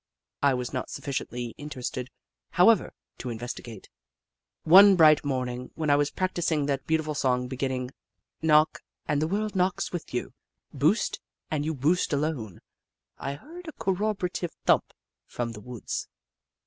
I was not sufficiently interested, however, to investio^ate. One bright morning, when I was practising that beautiful song beginning :*' Knock, and the world knocks with you ; boost, and you boost alone," I heard a corroborative thump from the woods.